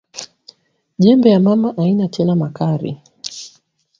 Jembe ya mama aina tena makari